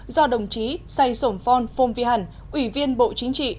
do đồng chí say sổn phon phong vy hẳn ủy viên bộ chính trị